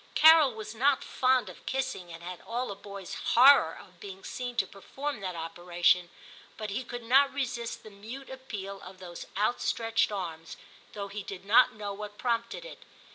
Carol was not fond of kissing, and had all a boy*s horror of being seen to perform that opera tion, but he could not resist the mute appeal of those outstretched arms, though he did not know what prompted it.